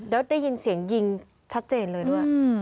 แล้วได้ยินเสียงยิงชัดเจนเลยด้วย